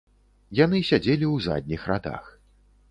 Яны сядзелі ў задніх радах.